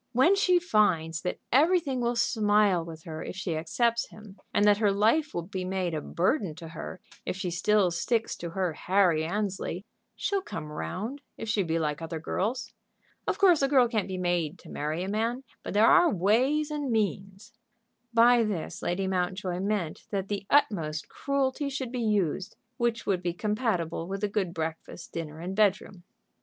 When she finds that everything will smile with her if she accepts him, and that her life will be made a burden to her if she still sticks to her Harry Annesley, she'll come round, if she be like other girls. Of course a girl can't be made to marry a man, but there are ways and means." By this Lady Mountjoy meant that the utmost cruelty should be used which would be compatible with a good breakfast, dinner, and bedroom.